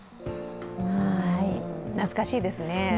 懐かしいですね。